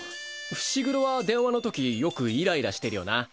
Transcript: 伏黒は電話のときよくイライラしてるよな。